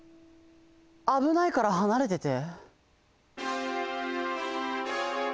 あぶないからはなれてて。